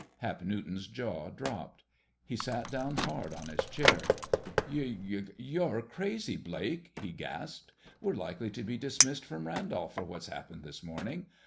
Hap Newton's jaw dropped. He sat down hard on his chair. "You you're crazy, Blake!" he gasped. "We're likely to be dismissed from Randolph for what's happened this morning.